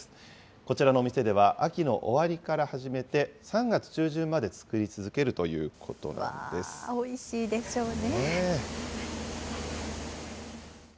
こちらのお店では、秋の終わりから始めて、３月中旬まで作り続けおいしいでしょうね。